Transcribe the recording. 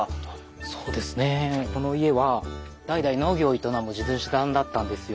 そうですねこの家は代々農業を営む地主さんだったんですよ。